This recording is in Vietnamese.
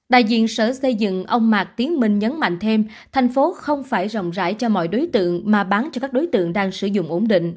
đại diện sở xây dựng ông mạc tiến minh nhấn mạnh thêm thành phố không phải rộng rãi cho mọi đối tượng mà bán cho các đối tượng đang sử dụng ổn định